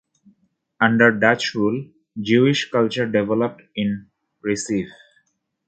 Under Dutch rule, Jewish culture developed in Recife.